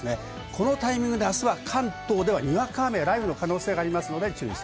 このタイミングで関東は、にわか雨や雷雨の可能性があります。